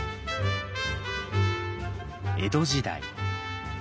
江戸時代。